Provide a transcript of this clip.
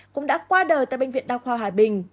cũng đã qua đời tại bệnh viện đa khoa hà bình